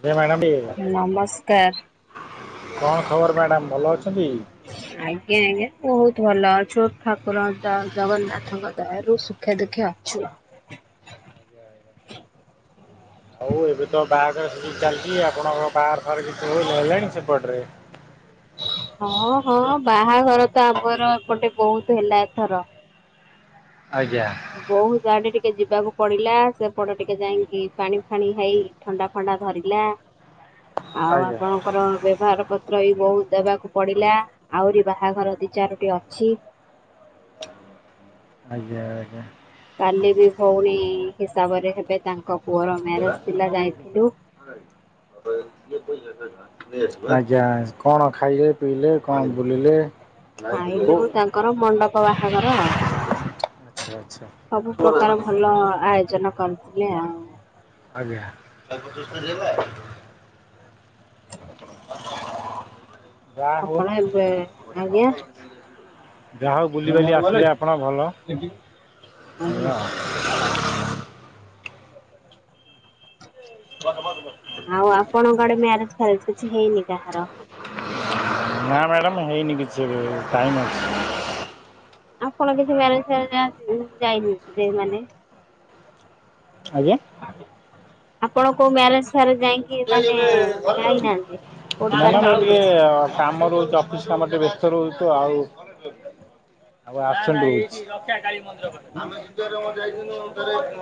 [unintelligible] କଣ ନମସ୍କାର। ଖବର ମ୍ୟାଡ଼ାମ ଭଲ ଅଛନ୍ତି? ଆଜ୍ଞା ଆଜ୍ଞା ବହୁତ ଭଲ ଅଛୁ ଠାକୁର ଜ ଜଗନ୍ନାଥଙ୍କ ଦୟାରୁ ସୁ ଖା ଦେଖିଆ ଛୁ। ହଉ ଏବେ ତ ବାହାଘର ସିଜିନ୍ ଚାଲିଛି ଆପଣଙ୍କ ବାହାଘର ଫାଗର କିଛି ନହଲେଣି ସେପଟରେ? ହଁ ହଁ ବାହାଘର ତ ଆମର ଏପଟେ ବୋହୁତ ହେଲା ଏଥର। ଆଜ୍ଞା। ବୋହୁତ ଆଡ଼େ ଟିକେ ଯିବାକୁ ପଡ଼ିଲା ସେପଟେ ଟିକେ ଯାଇଙ୍କି ପାଣି ଫାଣି ହେଇ ଥଣ୍ଡା ଫଣ୍ଡା ଧରିଲା ଆଉ ଆଜ୍ଞା ଆପଣ ଙ୍କର ବ୍ୟବହାର ପତ୍ର ବି ବୋହୁ ଦେବାକୁ ପଡ଼ିଲା ଆହୁରି ବାହାଘର ଦି ଚାରୋଟି ଅଛି। ହ ଆଜ୍ଞା ଆଜ୍ଞା। କାଲି ବି ଭଉଣୀ ହିସାବରେ ହେବେ ତାଙ୍କ ପୁଅର ମ୍ୟାରେଜ ଥିଲା ଯାଇଥିଲୁ। [unintelligible] ଆଜ୍ଞା କଣ ଖାଇଲେ ପିଇଲେ କଣ ବୁଲିଲେ? କୋଉ ଖାଇଲୁ ତାଙ୍କର ମଣ୍ଡପ ବାହାଘର। ଆଚ୍ଛା ଆଚ୍ଛା ସବୁ ପ୍ରକାର ଭଲ ଆୟୋଜନ କରିଥିଲେ ଆଉ। ଆଜ୍ଞା [unintelligible] ଯା ହୋଉ ଆପଣ ଏବେ ଆଜ୍ଞା। ଯାହୋଉ ବୁଲିିବାଲି ଆସିଲେ ଆପଣ ଭଲ ଆଜ୍ଞା [unintelligible] ଆଉ ଆଉ ଆପଣଙ୍କ ଆଡ଼େ ମ୍ୟାରେଜ ଫ୍ୟାରେଜ କିଛି ହେଇନି କାହାର? ନା ମ୍ୟାଡ଼ାମ୍ ହେଇନି କିଛି ଟାଇମ୍ ଅଛି। ଆପଣ କିଛି ମ୍ୟାରେଜ ଫ୍ୟାରେଜ ଯାଆନ୍ତି ଯାଇନି ତେ ମାନେ ଆଜ୍ଞା? ଆପଣ କୋଉ ମ୍ୟାରେଜ ଫାରେଜ ଯାଇଙ୍କି ମ୍ୟାଡ଼ାମ ମାନେ ମୁଁ ଯାଇନାହାନ୍ତି କୋଉଠି କାର ହେଇନି ଟିକେ କିଛି। କାମ ରହୁଚି ଅଫିସ କାମ ଟିକେ ବ୍ୟସ୍ତ ରହୁଚୁ ଆଉ ଆଉ ଆପେଣ୍ଡି ହେଇଚି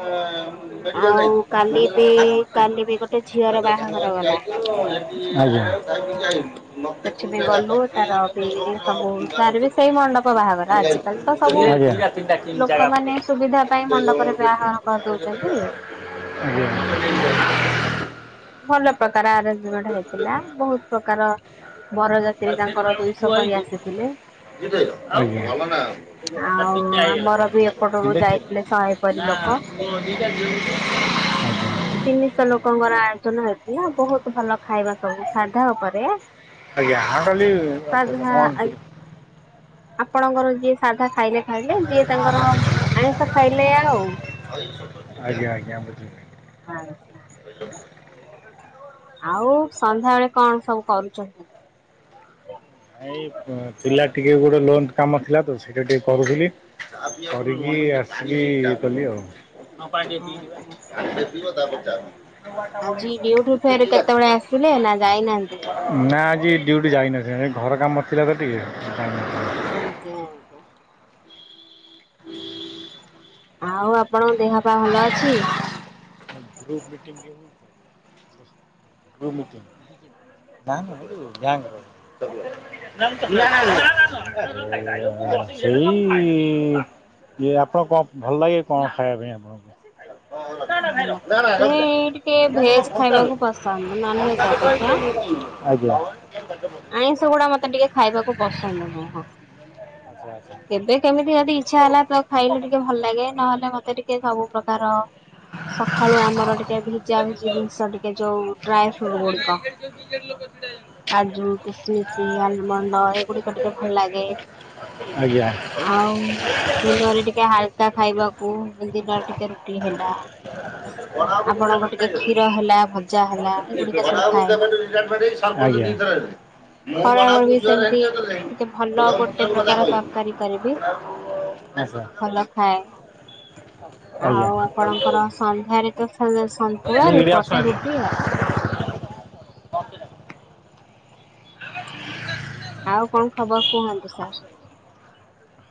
ଆଉ [unintelligible] କାଲି ବି କାଲି [inaudible] ବି ଗୋଟେ ଝିଅର ବାହାଘର ଗଲା। ଆଜ୍ଞା [inaudible] ତେରି ସବୁ ତାର ବି ସେଇ ମଣ୍ଡପ ବାହାଘର ଆଜିକାଲି ତ ସବୁ ଆଜ୍ଞା। ଲୋକମାନେ ସୁବିଧା ପାଇଁ ମଣ୍ଡପରେ ବାହାଘର କରିଦଉଚନ୍ତି। ଆଜ୍ଞା। ଭଲ ପ୍ରକାର ଆରେଞ୍ଜମେଣ୍ଟ ହେଇଥିଲା ବୋହୁତ ପ୍ରକାର ବରଯାତ୍ରୀ ତାଙ୍କର ଦୁଇଶ କରି ଆସିଥିଲେ। ଆଜ୍ଞା ଆଉ ଆମର ବି ଏପଟରୁ [unintelligible] ଯାଇଥିଲେ ଶହେ ପରି ନା ଲୋକ। ମୋ ଦିଟା ଝିଅ [unintelligible] ତିନିଶ ଲୋକଙ୍କର ଆୟୋଜନ ହେଇଥିଲା ବୋହୁତ ଭଲ ଖାଇବା ସବୁ ସାଧା ଓପରେ। ଆଜ୍ଞା ଆଉ ଖାଲି ଅଠଶ ମନ୍ଥଲି। ଆପଣଙ୍କର ଯିଏ ସାଧା ଖାଇଲେ ଖାଇଲେ ଯିଏ ତାଙ୍କର ଆଇଁଷ ଖାଇଲେ ଆଉ। ଆଜ୍ଞା ଆଜ୍ଞା ବୁଝିଲି। ଆଗ୍ୟା। ଆଉ ସନ୍ଧ୍ୟାବେଳେ କଣ ସବୁ କରୁଚନ୍ତି? ଏଇ ପିଲା ଟିକେ ଗୋଟେ ଲୋନ୍ କାମ ଥିଲା ତ ସେଇଟା ଟିକେ କରୁଥିଲି। କରିକି ଆସିକି ଇଏ କଲି ଆଉ। [unintelligible] ଆଜି ଡ୍ୟୁଟି ଫେରେ ତାପରେ କେତେବେଳେ ଆସିଲେ ନା ଯାଇନାହାନ୍ତି? ନା ଆଜି ଡ୍ୟୁଟି ଯାଇନଥିଲ ଘର କାମ ଥିଲା ତ ଟିକେ [unintelligible] ଆଜ୍ଞା। ହୁଁ ଆଉ ଆପଣଙ୍କ ଦେହ ପା ଭଲ ଅଛି? ହଁ ମ [unintelligible] [unintelligible] ଇଏ ଆପଣଙ୍କୁ କଣ ଭଲ ଲାଗେ କଣ ଖାଇବା ପାଇଁ ଆପଣଙ୍କୁ? [unintelligible] ନା ନା ମତେ ରଖିଥା ଟିକେ ଭେଜ ଖାଇବାକୁ ପସନ୍ଦ ନନଭେଜ ଅପେକ୍ଷା। [unintelligible] ଆଜ୍ଞା। ଆଇଁଷ ଗୁଡା ମତେ ଟିକେ ଖାଇବାକୁ ପସନ୍ଦ ନୁହଁ। ଆଚ୍ଛା ଆଚ୍ଛା। କେବେ କେମିତି ଯଦି ଇଚ୍ଛା ହେଲା ତ ଖାଇଲେ ଟିକେ ଭଲ ଲାଗେ ନହେଲେ ମତେ ଟିକେ ସବୁ ପ୍ରକାର ସଖାଳୁ ଆମର ଟିକେ ଭିଜା ଭିଜି ଜିନିଷ ଟିକେ ଯୋଉ ଡ୍ରାଏ ଫ୍ରୁଟ୍ ଗୁଡିକ ଆଜୁ କିସମିସ, ଆଲମଣ୍ଡ ଏଗୁଡିକ ଟିକେ ଭଲ ଲାଗେ। ଆଜ୍ଞା। ଆଉ ଦିନରେ ଟିକେ ହାଲକା ଖାଇବାକୁ ଦିନରେ ଟିକେ ରୁଟି ହେଲା ଆପଣଙ୍କ ଟିକେ କ୍ଷୀର ହେଲା ଭଜା ହେଲା ଏଗୁଡିକ ସବୁ ଗଡ଼ାବାବୁ ଖାଏ। [unintelligible] ଆଜ୍ଞା। ମୁଁ ଖରାବେଳେ ଗଡ଼ାବାବୁ ବି ଜୁହାର ହେଲି ସେମତି ଯେତେବେଳେ ଟିକେ ଭଲ ଗଡ଼ାବାବୁ ମୁଁ ଗୋଟେ ସବୁ କଥା ପ୍ରକାର କହିଲି ତରକାରୀ କରିବି। ଗଡ଼ାବାବୁ ଭଲ ଖାଏ ଆଜ୍ଞା ଆଉ ଆପଣଙ୍କର ସନ୍ଧ୍ୟାରେ ତ [unintelligible] ସନ୍ତୁଳା ରୁ ଏଇଠି ପଟେ ଆସୁନାହାନ୍ତି ରୁଟି ଆଉ। ଆଉ କଣ ଖବର କୁହନ୍ତୁ ସାର୍?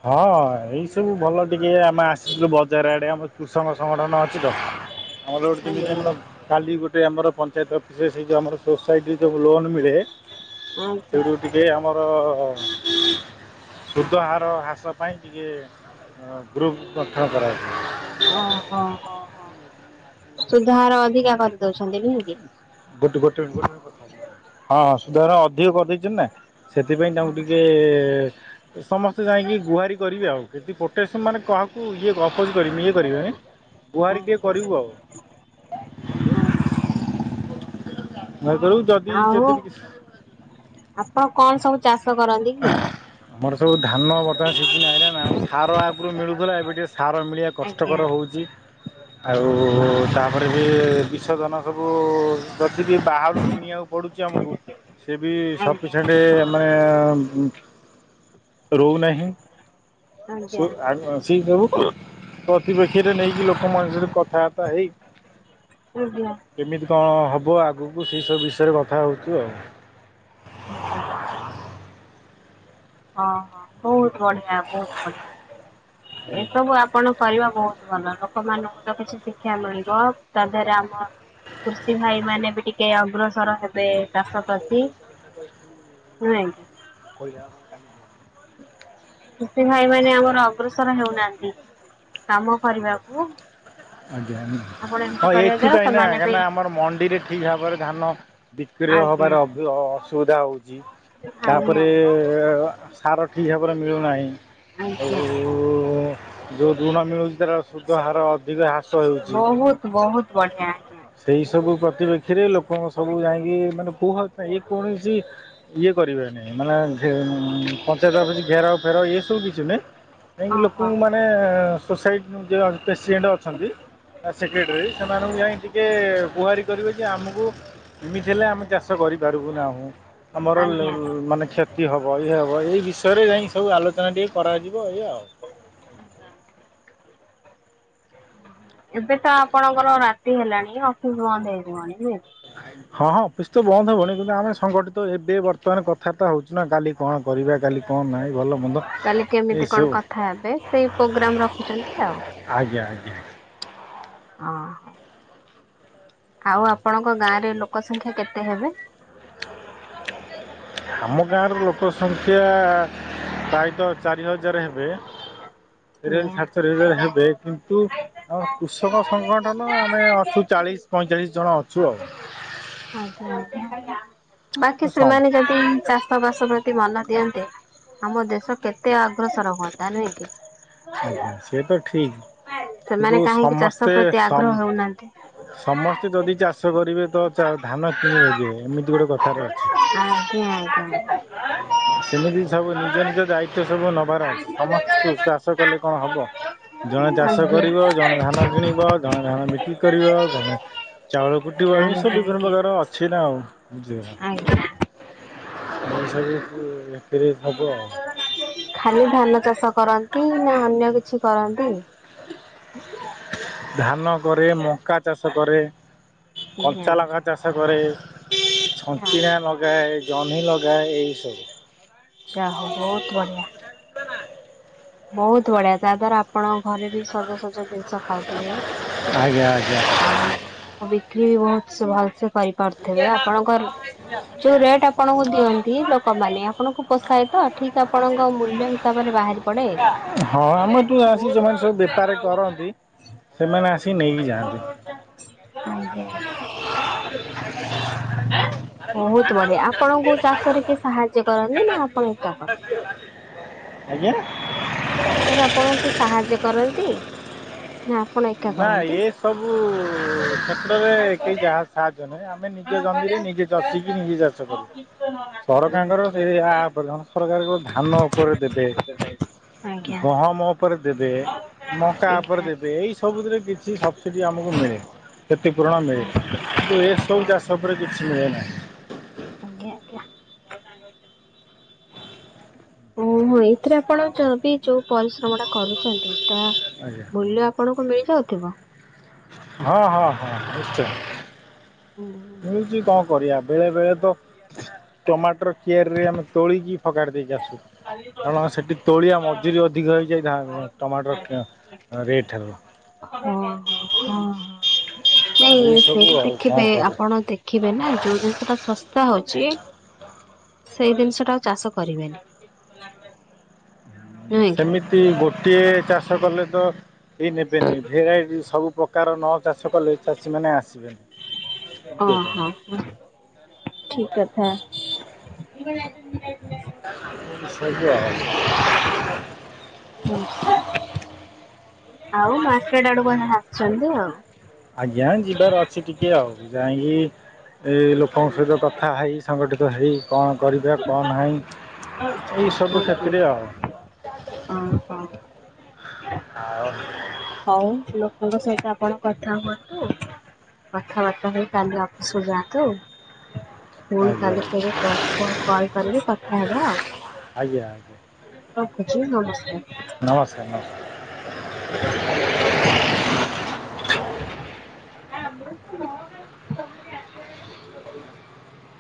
ହଁ ଏଇ ସବୁ ଭଲ ଟିକେ ଆମେ ଆସିଲୁ ବଜାର ଆଡେ ଆମ କୃଷକ ସଂଗଠନ ଅଛି ତ। ନହେଲେ ଓ ଟି ପି ଯେନଲକ ଆଜ୍ଞା କାଲି ଗୋଟେ ଆମର ପ ପଞ୍ଚାୟତ ଅଫିସରେ ସେ ଯୋଉ ଆମର ସୋସାଇଟି ଯୋଉ ଲୋନ୍ ମିଳେ ଆଜ୍ଞା ସେଉଟୁ ଟିକେ ଆମର ସୁୁଧ ହାର ର ହ୍ରାସ ପାଇଁ ଟିକେ ଗ୍ରୁପ୍ ଗଠନ କରାଯାଏ। ହଁ ହଁ ହଁ ହଁ ସୁଧହାର ଅଧିକା କରିଦଉଛନ୍ତି ନୁହଁ କି? ଗୋଟେ ଗୋଟେ ମିନିଟ୍ ହଁ ହଁ ସୁଧହାର ଅଧିକ କରିଦେଇଛନ୍ତି ନା ସେଥିପାଇଁ ତାଙ୍କୁ ଟିକେ ସମସ୍ତେ ଯାଇକି ଗୁହାରି କରିବେ ଆଉ ଯଦି ପୋଟେସନ୍ ମାନେ କାହାକୁ ଇଏ ଅପୋଜ କରିବେ ଇଏ କରିବେନି ଗୁହାରୀ ଟିଏ ଆଜ୍ଞା କରିବୁ ଆଉ। [unintelligible] [unintelligible] ଯଦି ଯଦି ଆଉ ବି କିଛି ଆପଣ କଣ ସବୁ ଚାଷ କରନ୍ତି କି? ଆମର ସବୁ ଧାନ ବର୍ତ୍ତମାନ ସିିଜିନ ଆଇଲା ନା ସାର ଆଗରୁ ମିଳୁଥିଲା ଏବେ ଟିକେ ସାର ମିଳିବା ଆଜ୍ଞା। କଷ୍ଟକର ହଉଚି। ଆଉ ତାପରେ ବି ବିଶୋଧନ ସବୁ ଯଦି ବିି ବାହାରୁ କିଣିବାକୁ ପଡ଼ୁଛି ଆମକୁ ସେ ବି ଆଜ୍ଞା ସଫିସେଣ୍ଟ ମାନେ ରହୁନାହିଁ। ଆଜ୍ଞା [unintelligible] ପ୍ରତିପକ୍ଷୀରେ ନେଇକି ଲୋକମାନେ ସେଠି କଥାବାର୍ତ୍ତା ହେଇ ଆଜ୍ଞା। କେମିତି କଣ ହବ ଆଗକୁ ସେଇସବୁ ବିଷୟରେ କଥା ହଉଛୁ ଆଉ। ହୁଁ ହୁଁ। ହଁ ହଁ ବହୁତ ବଢିଆ ବହୁତ ବଢିଆ ଆଜ୍ଞା। ଏସବୁ ଆପଣ କରିବା ବହୁତ ଭଲ ଲୋକମାନଙ୍କୁ ତ କିଛି ଶିକ୍ଷା ମିଳିବ ତା ଦେହରେ ଆମ କୃଷି ଭାଇ ମାନେ ବି ଟିକେ ଅଗ୍ରସର ହେ ବେ ଚାଷ [unintelligible] ନୁଁହେ। କହିଲା। [unintelligible] କୃଷି ଭାଇ ମାନେ ଆମର ଅଗ୍ରସର ହେଉନାହାଁନ୍ତି କାମ କରିବାକୁ। ଆଜ୍ଞା, ଆପଣ ଏମିତି ହଁ କରିବା ଦ୍ଵାରା ଏଥିପାଇଁ ନା ସେମାନେ ବି କାହିଁକିନା ଆମର ମଣ୍ଡିରେ ଠିକ୍ ଭାବରେ ଧାନ ବିକ୍ରୟ ଆଜ୍ଞା ହବାର ଅସୁବିଧା ହୋଉଛି ଆଜ୍ଞା ଆଜ୍ଞା ତାପରେ ସାର ଠିକ୍ ଭାବରେ ମିଳୁନାହିଁ ଆଉ ଆଜ୍ଞା। ଯୋଉ ଋଣ ମିଳୁଛି ତାର ସୁଧ ହାର ଅଧିକ ହା ବହୁତ୍ ବହୁତ୍ ବଢିଆ। ଆଜ୍ଞା। ସେଇ ସବୁ ପତିପ୍ରେକ୍ଷୀରେ ଲୋକଙ୍କ ସବୁ ଯାଇଁକି ମାନେ କୋଉ ହକ୍ ପାଇଁ ଯେ କୌଣସି ଇଏ କରିବେନି ମାନେ ପଞ୍ଚାୟତ ଅଫିସ ଘେରାଉ ଫେରାଉ ଏ ସବୁ କିଛି ନୁହେଁ, ଯାଇଁକି ଓହୋ ଲୋକଙ୍କୁ ମା ମାନେ ସୋସାଇଟି ଯିଏ ପ୍ରେସିଡେଣ୍ଟ ଅଛନ୍ତି ସେକେଟ୍ରି ସେମାନଙ୍କୁ ଯାଇ ଟିକେ ଗୁହାରି କରିବେ କି ଆମକୁ ଏମିତି ହେଲେ ଆମେ ଚାଷ କରିପାରିବୁ ନାହୁଁ ଆମର ଲ ଆଜ୍ଞା। ମାନେ କ୍ଷ ତି ହବ ଇଏ ହବ ଏଇ ବିଷୟରେ ଯାଇଁ ସବୁ ଆଲୋଚନା ଟିକେ କରାଯିବ ଏଇଆ ଆଉ। ଏବେ ତ ଆପଣଙ୍କର ରାତି ହେଲାଣି ଅଫିସ୍ ବନ୍ଦ ହେଇଯିବଣି ନୁହେଁ? ଆ ହଁ ହଁ ଅଫିସ୍ ତ ବନ୍ଦ ହବଣି କିନ୍ତୁ ଆମେ ସଂଗଠିତ ଏବେ ବର୍ତ୍ତମାନ କଥାବାର୍ତ୍ତା ହୋଉଚୁ ନା କାଲି କଣ କରିବା କାଲି କଣ ନାଇଁ ଭଲ ମ କାଲି କେମିତି କଣ କଥା ହେବେ ସେଇ ପ୍ରୋଗ୍ରାମ ରଖୁଛନ୍ତି ଆଉ। ଆଜ୍ଞା ଆଜ୍ଞା। ହଁ। ଆଉ ଆପଣଙ୍କ ଗାଁ ରେ ଲୋକ ସଂଖ୍ୟା କେତେ ହେବେ? ଆମ ଗାଁର ଲୋକ ସଂଖ୍ୟା ପ୍ରାୟତଃ ଚାରି ହଜାର ହେବେ। ଚାରି ହଜାର ତିନିଆ। ସାଢେ ଚାରି ହଜାର ହେବେ କିନ୍ତୁ ଆମର କୃଷକ ସଂଗଠନ ଆମେ ଅଛୁ ଚାଳିଶ ପଇଁଚାଳିଶ ଜଣ ଅଛୁ ଆଉ। ଆଜ୍ଞା ଆଜ୍ଞା ବାକି ସମ୍ ସେମାନେ ଯଦି ଚାଷ ବାସ ପ୍ରତି ମନ ଦିଅନ୍ତେ ଆମ ଦେଶ କେତେ ଆଗ ଅଗ୍ରସର ହୁଅନ୍ତା ନୁହଁ କି। ଆଜ୍ଞା ସେ ତ ଠିକ୍ କିନ୍ତୁ ସମସ୍ତେ ସ କହୁନାହାଁନ୍ତି। ସମସ୍ତେ ଯଦି ଚାଷ କରିବେ ତ ଧାନ କିଣିବ କିଏ ଏମିତି ଗୋଟେ କଥାରେ ଅଛି। ଆଜ୍ଞା ଆଜ୍ଞା। ସେମିତି ସବୁ ନିଜ ନିଜ ଦାୟିତ୍ୱ ଦାଇତ୍ୱ ସବୁ ନବାର ଅଛି ସମସ୍ତଙ୍କୁ ଚାଷ କଲେ କଣ ହବ। ଜଣେ ଚାଷ ଆଜ୍ଞା କରିବ ଜଣେ ଧାନ କିଣିବ ଜଣେ ଧାନ ବିକ୍ରି କରିବ ଜଣେ ଚାଉଳ କୁଟିବ ଆଜ୍ଞା ଏମିତି ସବୁ ବିଭିନ୍ନ ଆଜ୍ଞା ପ୍ରକାର ଅଛି ନା ଆଉ। ବୁଝିଲୁ ନାଁ ଆଜ୍ଞା। ଏମିତି ସବୁ ବିକ୍ରି ହବ। ଖାଲି ଧାନ ଚାଷ କରନ୍ତି ନା ଅନ୍ୟ କିଛି କରନ୍ତି? ଧାନ କରେ ମଙ୍କା ଚାଷ କରେ ଆଜ୍ଞା। କଞ୍ଚା ଲ ଚାଷ କରେ ଛଞ୍ଚିଣା ଲଗାଏ ଜହ୍ନି ଲଗାଏ ଏହିସବୁ। ଯା ହଉ ବହୁତ୍ ବଢିଆ। ବହୁତ ବଢିଆ ତା ଦ୍ଵାରା ଆପଣଙ୍କ ଘରେ ବି ସଜ ସଜ ଦିନିଷ ଖାଉଥିବେ ଆଜ୍ଞା ଆଜ୍ଞା। ଆଉ ଆଉ ବିକ୍ରି ବି ବହୁତ ଭଲ ସେ କରି କରୁଥିବେ ଆପଣଙ୍କର ଯୋଉ ରେଟ୍ ଆପଣଙ୍କୁ ଦିଅନ୍ତି ଲୋକମାନେ ଆପଣଙ୍କୁ ପୋସାଏ ତ ଠିକ୍ ଆପଣଙ୍କ ମୂଲ୍ୟ ହିସାବରେ ବାହାରି ପଡେ? ହଁ ଆମ ଦୁଆ ଆସିକି ଯୋଉମାନେ ସବୁ ବେପାରୀ କରନ୍ତି ସେମାନେ ଆସିିକି ନେଇକି ଯାଆନ୍ତି। [unintelligible] [unintelligible] ବହୁତ ବଢିଆ ଆପଣଙ୍କୁ ଚାଷରେ କିଏ ସାହାଯ୍ୟ କରନ୍ତି ନା ଆପଣ ଏକା? କରନ୍ତି? ଆଜ୍ଞା। ଚାଷରେ ଆପଣଙ୍କୁ କିଏ ସାହାଯ୍ୟ କରନ୍ତି? ନା ଆପଣ ଏକା ନା କରନ୍ତି? ଏ ସବୁ କ୍ଷେତ୍ରରେ କେହି ଯା ସାହାଯ୍ୟ ନୁହେଁ ଆମେ ନିଜ ଜମିରେ ନିଜେ ଚଷିକି ନିଜେ ଚାଷ କରୁ ସରକାରଙ୍କର ସେ ଏହା ଆବଧନ ପ୍ରକାରେ ଯୋଉ ଧାନ ଉପରେ ଦେବେ ଆଜ୍ଞା ଆଜ୍ଞା ଗହମ ଉପରେ ଦେବେ ମକା ଉପରେ ଦେବେ ଏଇସବୁଥିରେ କିଛି ସବସିଡ଼ି ଆମକୁ ମିଳେ। କ୍ଷତି ପୂରଣ ମିଳେ କିନ୍ତୁ ଏସବୁ ଚାଷ ଉପରେ କିଛି ମିଳେ ନାହିଁ। ଆଜ୍ଞା ଆଜ୍ଞା [inaudible] ଓହୋ ଏଥିରେ ଆପଣ ଯ ବି ଯୋଉ ପରିଶ୍ରମ ଟା କରୁଛନ୍ତି ତା ଆଜ୍ଞା। ମୁଲ୍ୟ ଆପଣଙ୍କୁ ମିଳିଯାଉଥିବ! ହଁ ହଁ ହଁ ନିଶ୍ଚୟ ଓହୋ ମିଳୁଚି କଣ କରିଆ ବେଳେ ବେଳେ ତ ଟମାଟର କିଆରିରେ ଆମେ ତୋଳିକି ଫୋକାଡି ଦେଇକି ଆସୁ କାରଣ ସେଟି ତୋଳିଆ ମଜୁରି ଅଧିକ ହେଇଯାଏ [inaudible] ଟମାଟର ଏଁ ରେଟ୍ ଠାରୁ। ହଁ ହଁ ହଁ ହଁ ନାଇଁ ଏଇସବୁ ସେଇଠି ଆଉ କଣ ଦେଖିବେ କରିବୁ ଆପଣ ଦେଖ୍ ଦେଖିବେ ନା ଯୋଉ ଜିନିଷ ଟା ଶସ୍ତା ହଉଛି। ସେଇ ଜିନିଷ ଟା ଆଉ ଚାଷ କରିବେନି। ନୁହେଁ କି? ସେମିତି ଗୋଟିଏ ଚାଷ କଲେ ତ କେଇ ନେବେନି ଭେରାଇଟି ସବୁ ପ୍ର ପ୍ରକାର ନ ଚାଷ କଲେ ଚାଷୀମାନେ ଆସିବେନି ବୁଝୁଚନା? ଠିକ୍ କଥା। [unintelligible] [inaudible] ଆଉ ମାର୍କେଟ ଆଡୁ କଣ ଆଣିଛନ୍ତି ଆଉ। ଆଜ୍ଞା ଯିବାର ଅଛି ଟିକେ ଆଉ ଯାଇଁ କି ଏ ଲୋକଙ୍କ ସହିତ କଥା ହେଇ ସଂଗଠିତ ହେଇ କଣ କରିବେ କଣ ନାହିଁ ଏଇସବୁ କ୍ଷେତ୍ରେ ଆଉ। ଅଁ ହଁ। ଆଉ ହଉ ଲୋକଙ୍କ ସହିତ ଆପଣ କଥା ହୁଅନ୍ତୁ। କଥାବାର୍ତ୍ତା ହେଇ କାଲି ଅଫିସ୍ କୁ ଯାଆନ୍ତୁ। ପୁଣି ଆଜ୍ଞା କାଲି ଆଜ୍ଞା ତାହେଲେ କଲ୍ ପୁଣି କଲ୍ କରିବି କଥା ହେବା। ଆଜ୍ଞା [inaudible] ରଖୁଛି ନମସ୍କାର। ନମସ୍କାର ନମସ୍କାର। [inaudible]